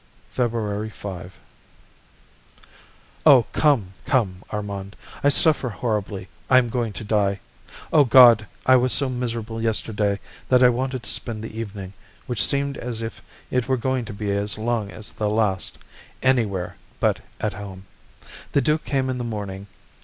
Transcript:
February 5. Oh, come, come, Armand! I suffer horribly; I am going to die, O God! I was so miserable yesterday that I wanted to spend the evening, which seemed as if it were going to be as long as the last, anywhere but at home. The duke came in the morning.